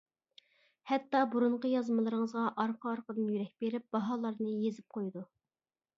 ھەتتا بۇرۇنقى يازمىلىرىڭىزغا ئارقا-ئارقىدىن يۈرەك بېرىپ، باھالارنى يېزىپ قۇيىدۇ.